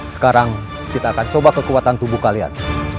sekarang kita akan coba kekuatan tubuh kalian